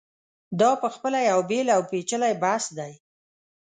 دا په خپله یو بېل او پېچلی بحث دی.